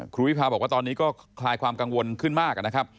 วิพาบอกว่าตอนนี้ก็คลายความกังวลขึ้นมากนะครับ